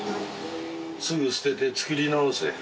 すぐ捨てて作り直せ。